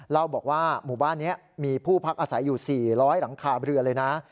เล่าบอกว่าหมู่บ้านนี้มีผู้พักอาศัยอยู่๔๐๐หลังคาเรือเลยนะ